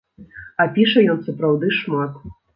А піша ён сапраўды шмат.